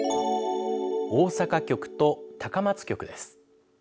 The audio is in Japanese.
大阪局と高松局です。